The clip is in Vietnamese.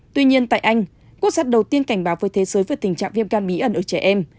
tuy nhiên tại anh quốc gia đầu tiên cảnh báo với thế giới về tình trạng viêm gan bí ẩn ở trẻ em